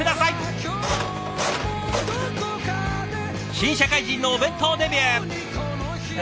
新社会人のお弁当デビュー。